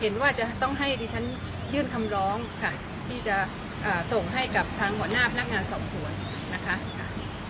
เห็นว่าจะต้องให้ที่ฉันยื่นคำร้องค่ะที่จะอ่าส่งให้กับทางหัวนาบนักงานส่องผัวนะคะ